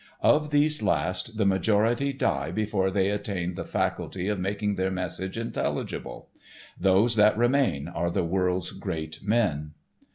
Of these last the majority die before they attain the faculty of making their message intelligible. Those that remain are the world's great men.